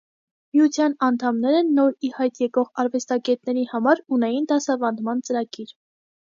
Միության անդամները նոր ի հայտ եկող արվեստագետների համար ունեին դասավանդման ծրագիր։